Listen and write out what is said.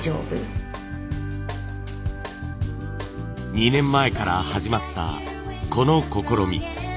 ２年前から始まったこの試み。